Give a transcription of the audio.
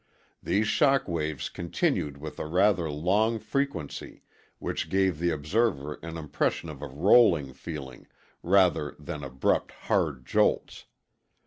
These shock waves continued with a rather long frequency, which gave the observer an impression of a rolling feeling rather than abrupt hard jolts.